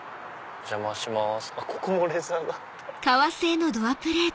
お邪魔します